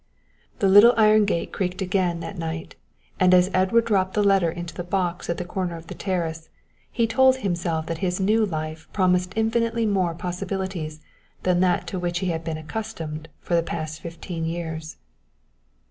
The little iron gate creaked again that night, and as Edward dropped the letter into the box at the corner of the terrace he told himself that his new life promised infinitely more possibilities than that to which he had been accustomed for the past fifteen years.